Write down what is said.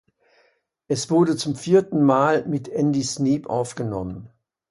Es wurde zum vierten Mal mit Andy Sneap aufgenommen.